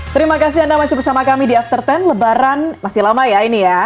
terima kasih anda masih bersama kami di after sepuluh lebaran masih lama ya ini ya